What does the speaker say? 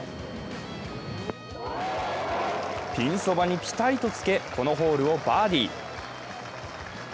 ピンそばにピタリとつけ、このホールをバーディー。